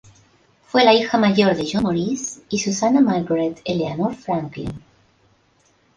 Fue la hija mayor de John Maurice y Susannah Margaret Eleanor Franklin.